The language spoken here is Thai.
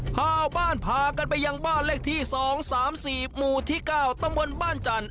พาบ้านพากันไปยังบ้านเลขที่๒๓๔หมู่ที่๙ตำบลบ้านจันทร์